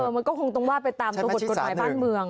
มันก็คงต้องว่าไปตามตัวบทกฎหมายบ้านเมือง